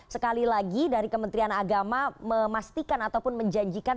sekali lagi dari kementerian agama memastikan ataupun menjanjikan